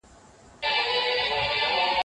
هغه د خپل پلار په خبرو عمل کوي.